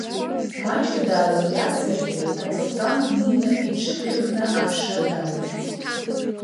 Маҷк даалак-ҩакзаргьы аҵыхәтәан днеины иҽыԥхьакны аԥшра далагеит.